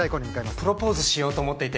プロポーズしようと思っていて。